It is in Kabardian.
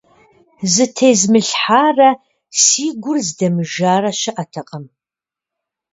Зытезмылъхьарэ си гур здэмыжарэ щыӀэтэкъым.